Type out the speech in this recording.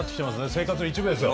生活の一部ですよ。